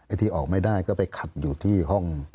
ที่ออกไม่ได้ก็ไปขัดอยู่ที่ห้อง